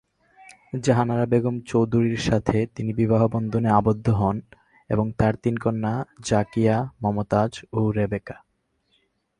জাহানারা বেগম চৌধুরীর সাথে তিনি বিবাহবন্ধনে আবদ্ধ হন এবং তার তিন কন্যা জাকিয়া, মমতাজ ও রেবেকা।